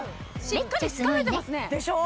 しっかりつかめてますねでしょ？